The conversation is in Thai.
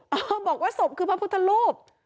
บอกว่าศพคือพระพุทธรูป